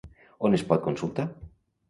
On es pot consultar?